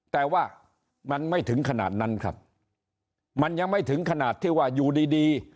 แต่ว่ามันไม่ถึงขนาดนั้นครับมันยังไม่ถึงขนาดที่ว่าอยู่ดีดี